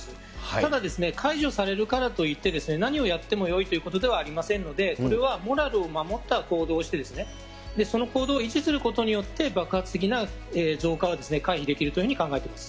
ただ、解除されるからといって何をやってもよいということではありませんので、これは、モラルを守った行動をして、その行動を維持することによって、爆発的な増加は回避できるというふうに考えています。